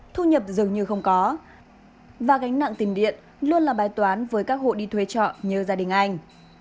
thu nhập dường như không có và gánh nặng tiền điện luôn là bài toán với các hộ đi thuê trọ như gia đình anh